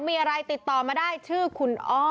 มีอะไรติดต่อมาได้ชื่อคุณอ้อ